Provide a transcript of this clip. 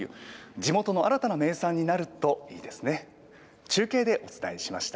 地元の新たな名産になるといいですね。